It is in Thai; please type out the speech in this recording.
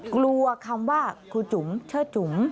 กลัวคำว่าครูจุ๋มเชิดจุ๋ม